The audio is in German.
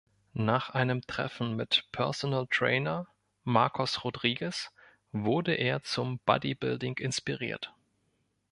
Nach einem Treffen mit Personal Trainer Marcos Rodriguez wurde er zum Bodybuilding inspiriert.